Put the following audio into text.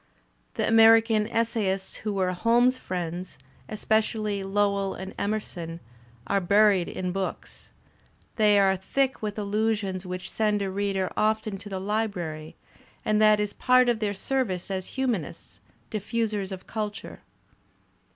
The American essayists who were Holmes's friends, especially Lowell and Emerson, are buried id books. They are thick with allusions which send a reader often to the library, and that is part of their service as humanists^ diffusers of culture.